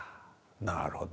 なるほど。